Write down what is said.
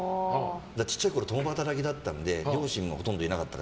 小さいころ、共働きだったので両親もほとんどいなかった。